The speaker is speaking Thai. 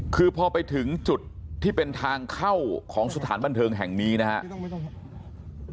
คือพอไปถึงจุดที่เป็นทางเข้าของสถานบันเทิงแห่งนี้นะครับ